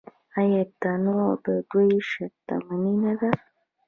آیا تنوع د دوی شتمني نه ده؟